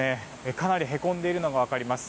かなりへこんでいるのが分かります。